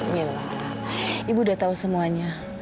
ibu udah tahu semuanya